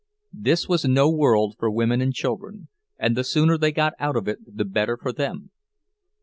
This was no world for women and children, and the sooner they got out of it the better for them.